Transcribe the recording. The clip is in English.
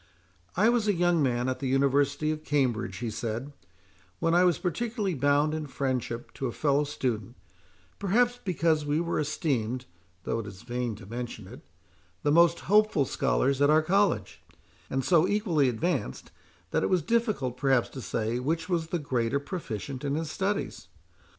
"I was a young man at the University of Cambridge," he said, "when I was particularly bound in friendship to a fellow student, perhaps because we were esteemed (though it is vain to mention it) the most hopeful scholars at our college; and so equally advanced, that it was difficult, perhaps, to say which was the greater proficient in his studies.